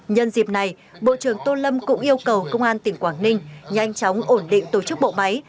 nhân dịp này bộ trưởng tô lâm cũng yêu cầu công an tỉnh quảng ninh nhanh chóng ổn định tổ chức bộ máy